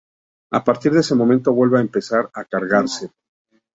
A partir de ese momento vuelve a empezar a cargarse.